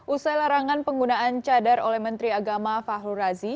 usai larangan penggunaan cadar oleh menteri agama fahlu razi